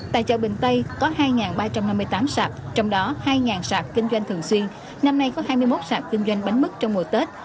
tại chợ bình tây có hai ba trăm năm mươi tám sạp trong đó hai sạp kinh doanh thường xuyên năm nay có hai mươi một sạp kinh doanh bánh mứt trong mùa tết